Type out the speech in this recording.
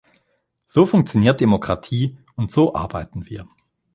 So funktioniert Demokratie und so arbeiten wir.